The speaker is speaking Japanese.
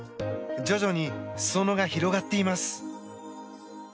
徐々に裾野が広がっています。